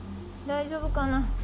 大丈夫かな？